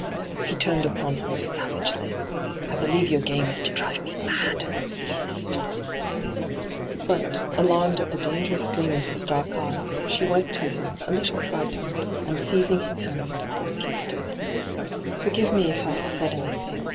He turned upon her savi^ely. ' I believe your game is to drive me mad I' he hissed. hyGoogIc ENTRAPPED 153 But, alarmed at the dangerous gleam of his dark eyes, she went to him, a little frightened, and, seizing his hand, kissed it. ' Forgive me if I have said anything.